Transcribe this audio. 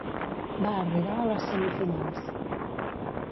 Va arribar a les semifinals.